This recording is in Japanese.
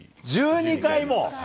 １２回も？